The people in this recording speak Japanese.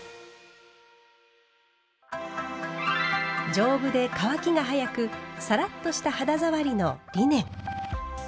丈夫で乾きが早くサラッとした肌触りのリネン。